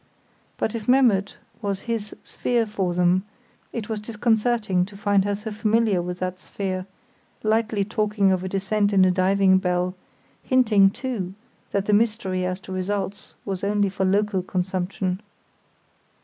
But if Memmert was his sphere for them, it was disconcerting to find her so familiar with that sphere, lightly talking of a descent in a diving bell—hinting, too, that the mystery as to results was only for local consumption.